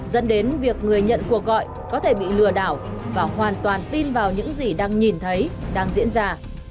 dẫn đến việc người nhận cuộc gọi có thể bị lừa đảo và hoàn toàn tin vào những gì đang nhìn thấy đang diễn ra